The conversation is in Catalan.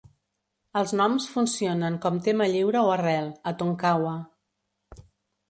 Els noms funcionen com tema lliure o arrel, a Tonkawa.